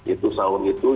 itu sahur itu